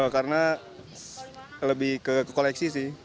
karena lebih ke koleksi sih